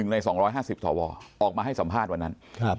ใน๒๕๐สวออกมาให้สัมภาษณ์วันนั้น